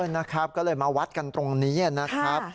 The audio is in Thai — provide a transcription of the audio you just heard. นะครับก็เลยมาวัดกันตรงนี้นะครับ